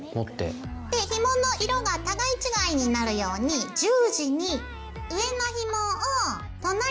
でひもの色が互い違いになるように十字に上のひもを隣のひもの上に載っけます。